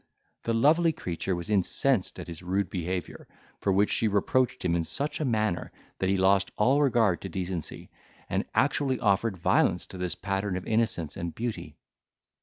The lovely creature was incensed at his rude behaviour for which she reproached him in such a manner that he lost all regard to decency, and actually offered violence to this pattern of innocence and beauty.